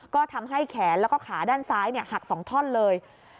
ก็ทำให้แขนแล้วก็ขาด้านซ้ายหัก๒ท่อนเลย